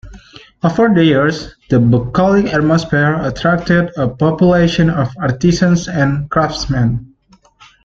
Over the years, the bucolic atmosphere attracted a population of artisans and craftsmen.